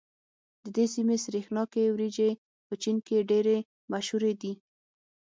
د دې سيمې سرېښناکې وريجې په چين کې ډېرې مشهورې دي.